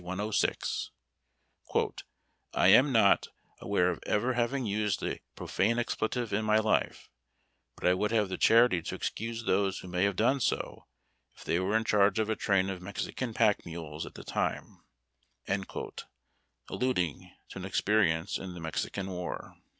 106) :" I am not aware of ever having used a profane expletive in my life, but I would have the charity to excuse those who may have done so if they were in charge of a train of Mexican pack mules at the time," alluding to an experience in the Mexican War.